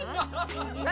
何？